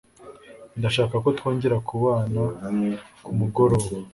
Ndashaka ko twongera kubana ku mu goroba.